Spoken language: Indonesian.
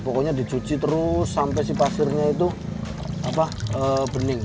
pokoknya dicuci terus sampai si pasirnya itu bening